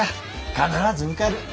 必ず受かる！